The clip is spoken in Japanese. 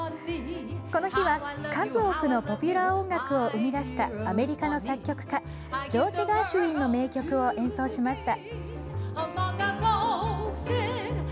この日は、数多くのポピュラー音楽を生み出したアメリカの作曲家ジョージ・ガーシュウィンの名曲を演奏しました。